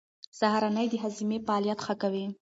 سهارنۍ د هاضمې فعالیت ښه کوي.